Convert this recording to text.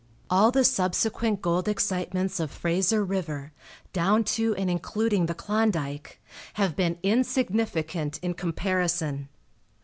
All the subsequent gold excitements of Frazier river, down to and including the Klondike, have been insignificant in comparison.